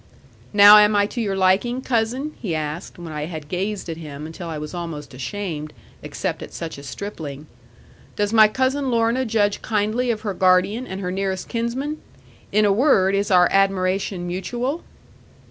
'"Now am I to your liking, cousin?" he asked, when I had gazed at him, until I was almost ashamed, except at such a stripling. "Does my Cousin Lorna judge kindly of her guardian, and her nearest kinsman? In a word, is our admiration mutual?"